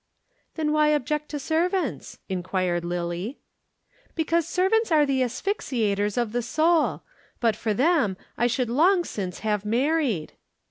"Then why object to servants?" inquired Lillie. "Because servants are the asphyxiators of the soul. But for them I should long since have married."